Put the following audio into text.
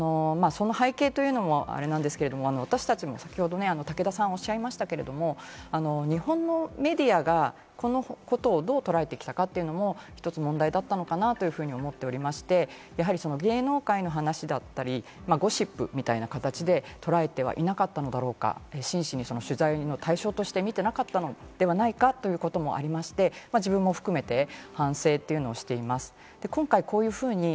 その背景というのもあれですが、武田さんがおっしゃいましたが、日本のメディアがこのことをどう捉えてきたかというのも一つ問題だったのかなというふうに思っておりまして、芸能界の話だったり、ゴシップみたいな形でとらえてはいなかったのだろうか、真摯に取材の対象として見ていなかったのではないかということもあり、自分も含めて反省をしています。